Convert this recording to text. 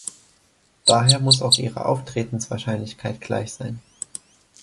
Daher muss auch ihre Auftretenswahrscheinlichkeit gleich sein.